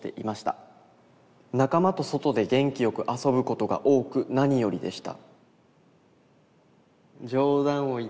「仲間と外で元気よく遊ぶことが多く何よりでした」。